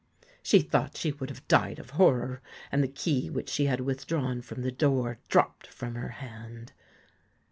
She thought she would have died of horror, and the key which she had withdrawn from the door dropped from her hand.